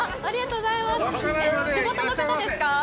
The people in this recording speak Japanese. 地元の方ですか？